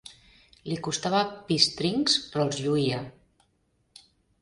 Li costava pistrincs, però els lluïa.